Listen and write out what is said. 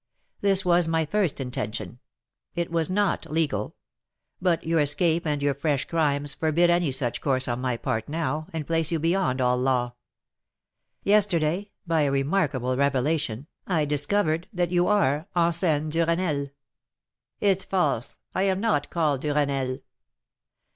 This was my first intention, it was not legal; but your escape and your fresh crimes forbid any such course on my part now, and place you beyond all law. Yesterday, by a remarkable revelation, I discovered that you are Anselm Duresnel " "It's false! I am not called Duresnel."